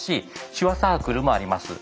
手話サークルもあります。